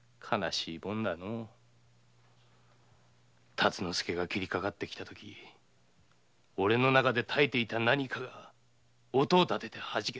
達之助が斬りかかってきたとき俺の中で耐えていた何かが音をたててはじけた。